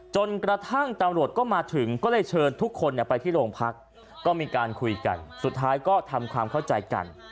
จนกระทั่งตำรวจก็มาถึงก็เลยเชิญทุกคนไปที่โรงพักก็มีการคุยกันสุดท้ายก็ทำความเข้าใจกัน